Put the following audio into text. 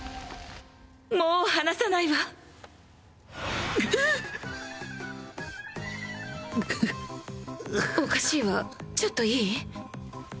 もう離さないわおかしいわちょっといい？